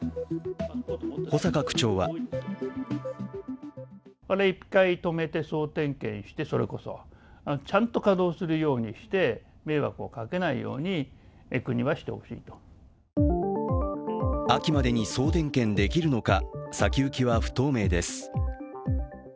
保坂区長は秋までに総点検できるのか先行きは不透明です。